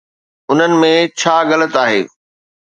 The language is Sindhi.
انهن ۾ ڇا غلط آهي؟